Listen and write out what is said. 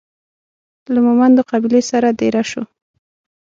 له مومندو قبیلې سره دېره سو.